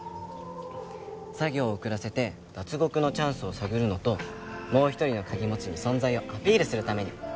作業を遅らせて脱獄のチャンスを探るのともう一人の鍵持ちに存在をアピールするために。